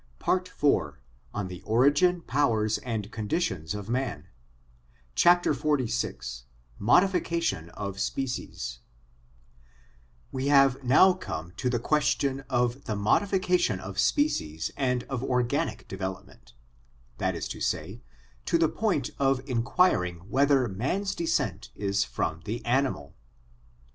PART IV ON THE ORIGIN, POWERS, AND CONDITIONS OF MAN XLVI MODIFICATION OF SPECIES WE have now come to the question of the modification of species and of organic development : that is to say, to the point of inquiring whether man's descent is from the animal.